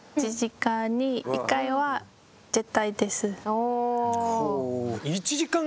お。